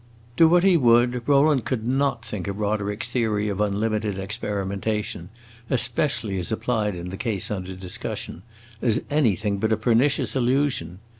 Do what he would, Rowland could not think of Roderick's theory of unlimited experimentation, especially as applied in the case under discussion, as anything but a pernicious illusion.